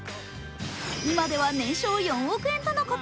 今では年商４億円とのこと。